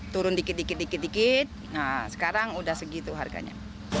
turun dikit dikit sekarang sudah segitu harganya